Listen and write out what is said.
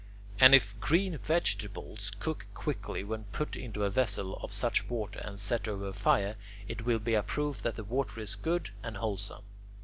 And if green vegetables cook quickly when put into a vessel of such water and set over a fire, it will be a proof that the water is good and wholesome.